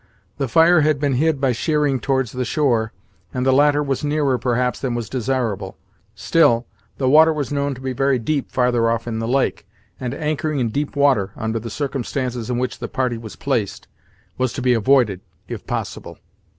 The fire had been hid by sheering towards the shore, and the latter was nearer, perhaps, than was desirable. Still, the water was known to be very deep further off in the lake, and anchoring in deep water, under the circumstances in which the party was placed, was to be avoided, if possible.